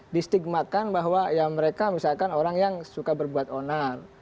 distigmakan bahwa ya mereka misalkan orang yang suka berbuat onar